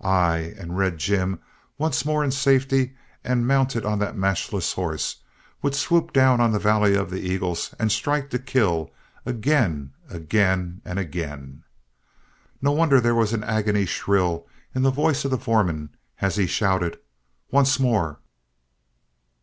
Ay, and Red Jim, once more in safety and mounted on that matchless horse, would swoop down on the Valley of the Eagles and strike to kill, again, again, and again! No wonder there was an agony shrill in the voice of the foreman as he shouted: "Once more!"